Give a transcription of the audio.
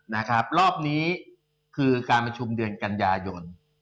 นะครับรอบนี้คือการประชุมเดือนกันยายน